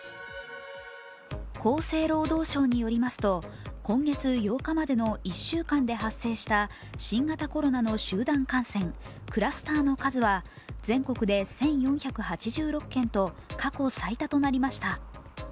厚生労働省によりますと今月８日までの１週間で発生した新型コロナの集団感染、クラスターの数は、全国で１４８６件と過去最多となりました。